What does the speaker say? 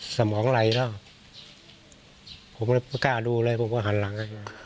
สมองไหลแล้วผมไม่กล้าดูอะไรผมก็หันหลัง